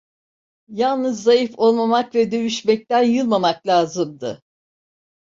Yalnız, zayıf olmamak ve dövüşmekten yılmamak lazımdı.